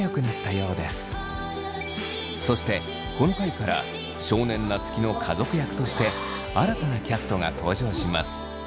そしてこの回から少年夏樹の家族役として新たなキャストが登場します。